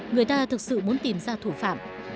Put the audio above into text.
người ta thực sự muốn tìm ra thủ phạm